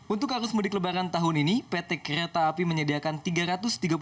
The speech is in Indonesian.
untuk arus mudik lebaran tahun ini pt kereta api menyediakan rp tiga ratus tiga puluh